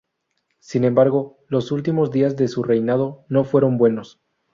Sin embargo, los últimos días de su reinado no fueron buenos.